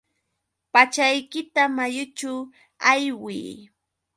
Pachaykita mayućhu aywiy.